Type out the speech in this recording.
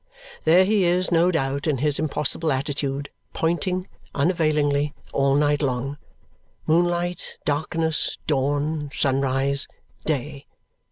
There he is, no doubt, in his impossible attitude, pointing, unavailingly, all night long. Moonlight, darkness, dawn, sunrise, day.